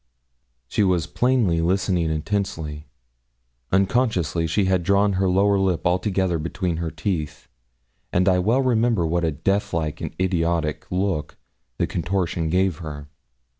She was plainly listening intensely. Unconsciously she had drawn her lower lip altogether between her teeth, and I well remember what a deathlike and idiotic look the contortion gave her.